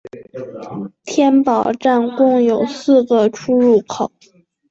天宝站共有四个出入口。